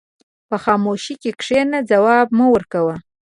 په خاموشۍ کښېنه، ځواب مه ورکوه.